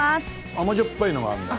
甘じょっぱいのが合うんだ。